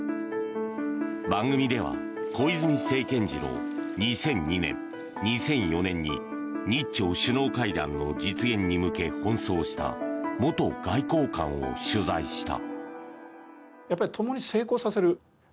番組では小泉政権時の２００２年、２００４年に日朝首脳会談の実現に向け奔走した、元外交官を取材した。